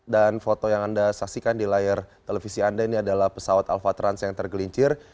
dan foto yang anda saksikan di layar televisi anda ini adalah pesawat alfa trans yang tergelincir